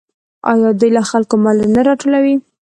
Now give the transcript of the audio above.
آیا دوی له خلکو مالیه نه راټولوي؟